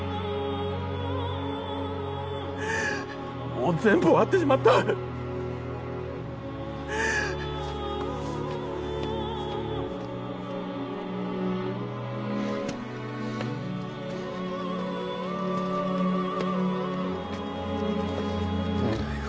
もう全部終わってしまったんだよ